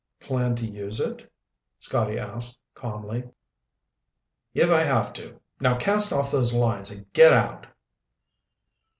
"Plan to use it?" Scotty asked calmly. "If I have to. Now cast off those lines and get out."